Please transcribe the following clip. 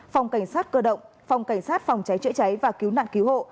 phòng cảnh sát cơ động phòng cảnh sát phòng cháy chữa cháy và cứu nạn cứu hộ